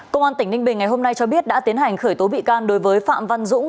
công an tỉnh ninh bình ngày hôm nay cho biết đã tiến hành khởi tố bị can đối với phạm văn dũng